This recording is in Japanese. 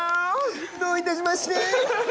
どういたしまして！